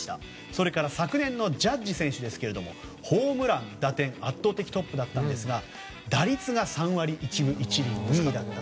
それから、昨年のジャッジ選手はホームラン、打点は圧倒的トップですが打率が３割１分１厘。